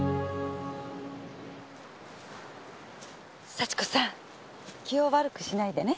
幸子さん気を悪くしないでね。